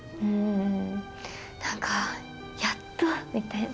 なんか、やっとみたいな。